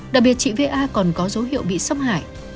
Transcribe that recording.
đặc biệt chị va còn có dấu hiệu bị xâm hại